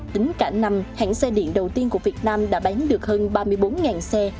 tính cả năm hãng xe điện đầu tiên của việt nam đã bán được hơn ba mươi bốn xe